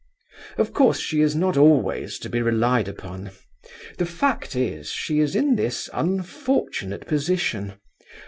Of course she is not always to be relied upon. The fact is that she is in this unfortunate position.